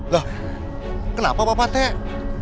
lah kenapa bapak teng